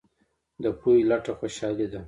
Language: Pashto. د پوهې لټه خوشحالي ده.